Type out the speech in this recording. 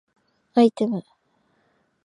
アイテム